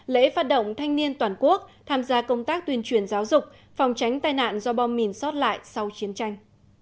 lễ phát động thanh niên toàn quốc tham gia công tác tuyên truyền giáo dục phòng tránh tai nạn do bom mìn xót lại sau chiến tranh